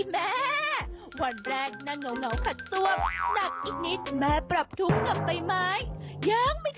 ไม่รออีก